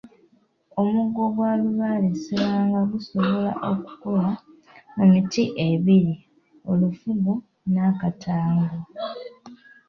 Omuggo gwa Lubaale Sserwanga gusobola okukolwa mu miti ebiri, Olufugo n'akattango.